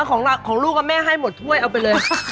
ของลูกแม่ให้หมดถ้วยเอาไปเลย